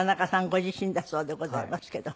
ご自身だそうでございますけど。